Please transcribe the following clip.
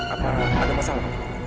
apa ada masalah